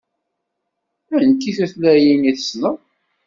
Anti tutlayin i tessneḍ?